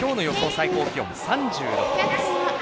最高気温３６度です。